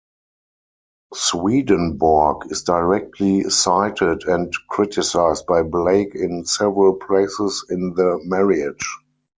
Swedenborg is directly cited and criticized by Blake in several places in the "Marriage".